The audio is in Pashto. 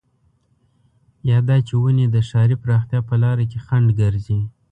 يا دا چې ونې د ښاري پراختيا په لاره کې خنډ ګرځي.